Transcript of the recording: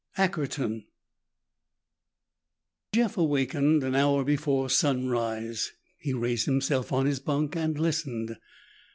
ACKERTON Jeff awakened an hour before sunrise. He raised himself on his bunk and listened.